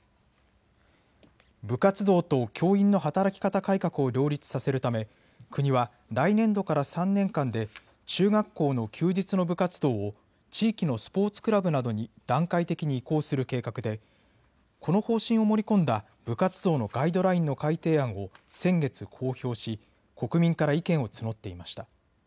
部活動と教員の働き方改革を両立させるため国は来年度から３年間で中学校の休日の部活動を地域のスポーツクラブなどに段階的に移行する計画でこの方針を盛り込んだ部活動のガイドラインの改定案を先月、公表し国民から意見を募っていました。